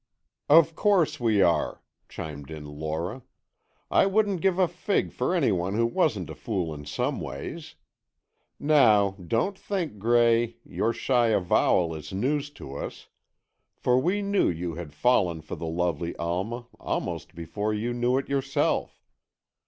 "Of course we are," chimed in Lora. "I wouldn't give a fig for anyone who wasn't a fool in some ways. Now, don't think, Gray, your shy avowal is news to us, for we knew you had fallen for the lovely Alma almost before you knew it yourself.